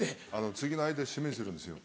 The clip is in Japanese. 次の相手を指名するんですよ。